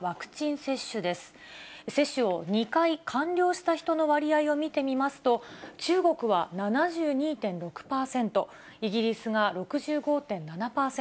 接種を２回完了した人の割合を見てみますと、中国は７２．６％、イギリスが６５．７％、